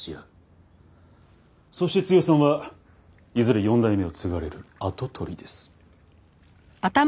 そして剛さんはいずれ４代目を継がれる跡取りです。